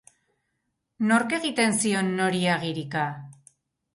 Nork egiten zion nori agirika?